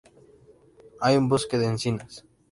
Hay un bosque de encinas.